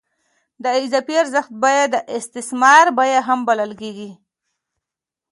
د اضافي ارزښت بیه د استثمار بیه هم بلل کېږي